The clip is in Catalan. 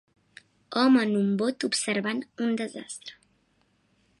home en un bot observant un desastre.